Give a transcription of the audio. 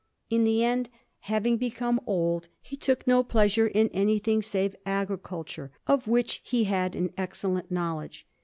In the end, having become old, he took no pleasure in anything save agriculture, of which he had an excellent knowledge.